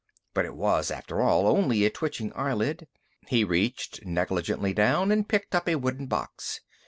But it was, after all, only a twitching eyelid. He reached negligently down and picked up a wooden box.